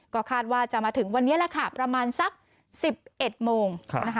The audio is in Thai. ก็คาดว่าจะมาถึงวันนี้แหละค่ะประมาณสัก๑๑โมง